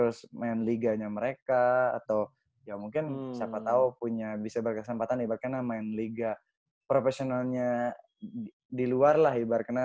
terus main liga nya mereka atau ya mungkin siapa tau punya bisa berkesempatan di ibarkena main liga profesionalnya di luar lah ibarkena